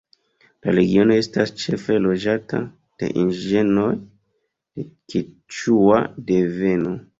La regiono estas ĉefe loĝata de indiĝenoj de keĉua deveno.